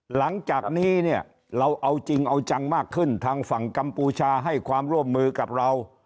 หลังจากนี้เนี่ยเราเอาจริงเอาจังมากขึ้นทางฝั่งกัมพูชาให้ความร่วมมือกับเรา